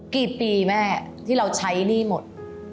กี่ปีแม่ที่เราใช้หนี้หมด